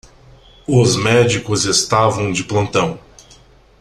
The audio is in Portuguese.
Os médicos estavam de plantão.